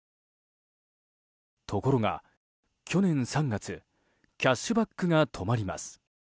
ところが、去年３月キャッシュバックが止まります。